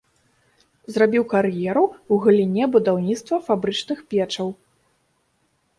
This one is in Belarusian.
Зрабіў кар'еру ў галіне будаўніцтва фабрычных печаў.